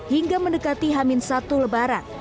hingga mendekati hamil satu lebaran